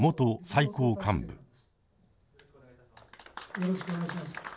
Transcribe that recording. よろしくお願いします。